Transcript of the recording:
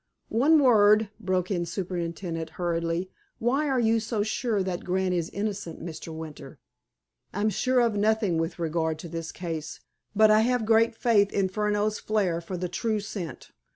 "One word," broke in the superintendent hurriedly. "Why are you so sure that Grant is innocent, Mr. Winter?" "I'm sure of nothing with regard to this case. But I have great faith in Furneaux's flair for the true scent.